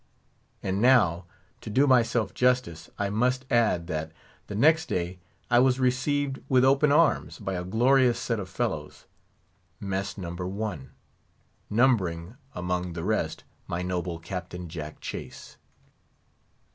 And now, to do myself justice, I must add that, the next day, I was received with open arms by a glorious set of fellows—Mess No. 1!—numbering, among the rest, my noble Captain Jack Chase.